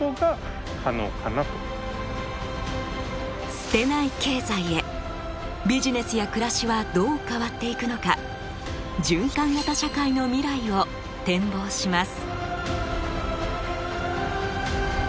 捨てない経済へビジネスや暮らしはどう変わっていくのか循環型社会の未来を展望します。